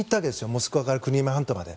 モスクワからクリミア半島まで。